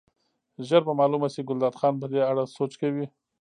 ژر به معلومه شي، ګلداد خان په دې اړه سوچ کوي.